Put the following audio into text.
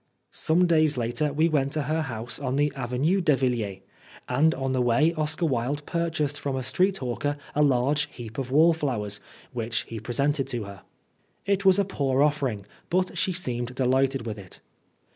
Some days later we went to her house on the Avenue de Villiers, and on the way Oscar Wilde purchased from a street hawker a large heap of wallflowers, which he presented to her. It was a poor offering, but she seemed delighted with it.